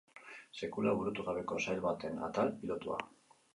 Sekula burutu gabeko sail baten atal pilotua.